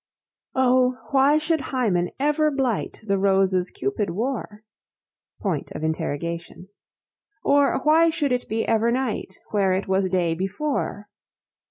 why should Hymen ever blight The roses Cupid wore? Or why should it be ever night Where it was day before?